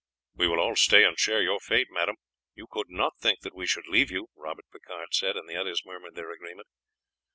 "We will all stay and share your fate, madame. You could not think that we should leave you," Robert Picard said, and the others murmured their agreement.